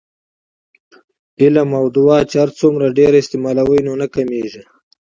علم او دعاء چې هرڅومره ډیر استعمالوې نو نه کمېږي